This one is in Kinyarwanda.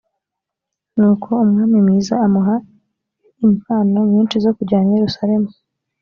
ni uko umwami mwiza amuha impano nyinshi zo kujyana i yerusalemu